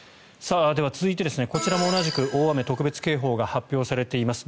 続いて、こちらも同じく大雨特別警報が発表されています